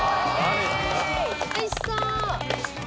おいしそう。